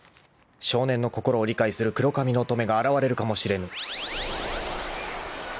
［少年の心を理解する黒髪の乙女が現れるかもしれぬ］